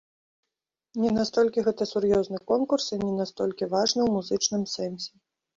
Не настолькі гэта сур'ёзны конкурс і не настолькі важны ў музычным сэнсе.